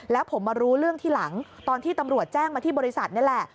แล้วผมมารู้เรื่องที่หลังตอนที่ตำรวจแจ้งมาที่บริษัทนี่แหละ